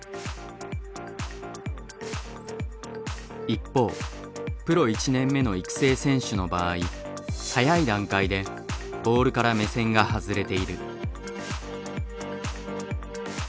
一方プロ１年目の育成選手の場合早い段階でボールから目線が外れている。